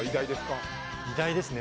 偉大ですね。